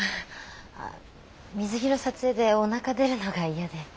水着の撮影でおなか出るのが嫌で。